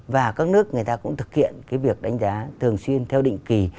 và các nước người ta cũng thực hiện cái việc đánh giá thường xuyên theo định kỳ